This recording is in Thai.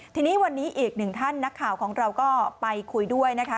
ทีนี้วันนี้อีกหนึ่งท่านนักข่าวของเราก็ไปคุยด้วยนะคะ